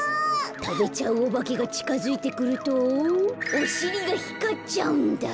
たべちゃうおばけがちかづいてくるとおしりがひかっちゃうんだ。